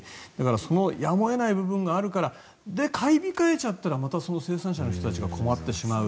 そのやむを得ない部分があるからそれで買い控えちゃったらまた生産者の人たちが困ってしまう。